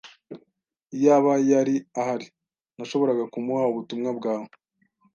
Iyaba yari ahari, nashoboraga kumuha ubutumwa bwawe.